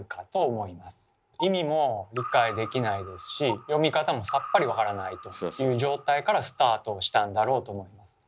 意味も理解できないですし読み方もさっぱりわからないという状態からスタートをしたんだろうと思います。